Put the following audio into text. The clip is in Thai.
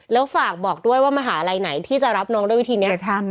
แล้วฝากบอกด้วยว่ามหาลัยไหนที่จะรับน้องด้วยวิธีนี้